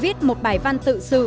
viết một bài văn tự sự